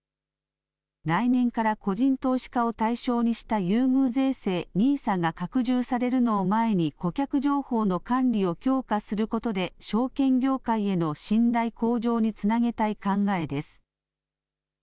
来年から個人投資家を対象にした優遇税制ＮＩＳＡが拡充されるのを前に、顧客情報の管理を強化することで、証券業界への信頼向上につなげたい考えです。